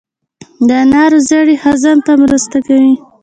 د انارو زړې هضم ته مرسته کوي.